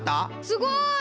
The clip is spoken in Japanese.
すごい。